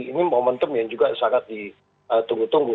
ini momentum yang juga sangat ditunggu tunggu